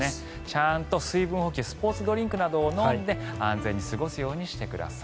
ちゃんと水分補給スポーツドリンクなどを飲んで安全に過ごすようにしてください。